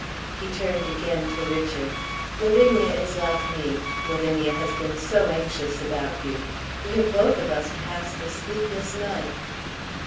He turned again to Richard. "Lavinia is like me Lavinia has been so anxious about you. We have both of us passed a sleepless night."